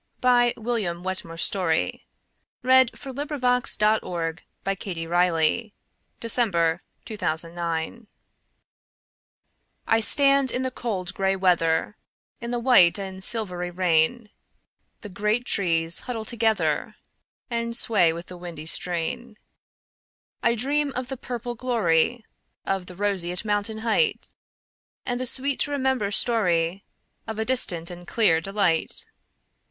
1912. William Wetmore Story 1819–1895 William Wetmore Story 123 In the Rain I STAND in the cold gray weather, In the white and silvery rain; The great trees huddle together, And sway with the windy strain.I dream of the purple gloryOf the roseate mountain heightAnd the sweet to remember storyOf a distant and clear delight.